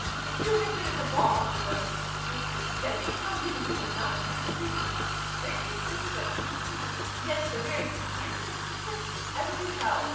"If you had been at the ball," said one of her sisters, "let me tell you, you would not have been sleepy. There came thither the handsomest, yes, the very handsomest princess ever beheld!